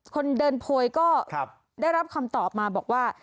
คนเดินโพยก็ได้รับคำตอบมาบอกว่า